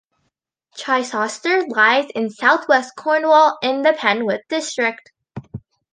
Chysauster lies in southwest Cornwall in the Penwith District.